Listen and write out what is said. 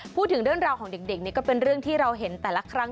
พูดถึงเรื่องราวของเด็กนี่ก็เป็นเรื่องที่เราเห็นแต่ละครั้ง